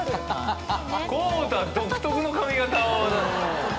河本は独特の髪形を。